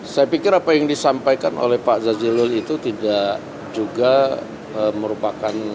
saya pikir apa yang disampaikan oleh pak jazilul itu tidak juga merupakan